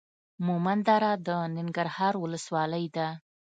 مومندره د ننګرهار ولسوالۍ ده.